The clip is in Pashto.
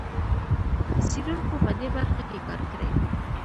څېړونکو په دې برخه کې کار کړی.